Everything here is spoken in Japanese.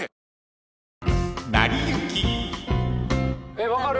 えっ分かる？